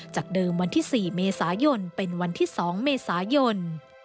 จากเดิมวันที่๔เมษายนเป็นวันที่๒เมษายน